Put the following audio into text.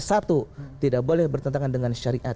satu tidak boleh bertentangan dengan syariat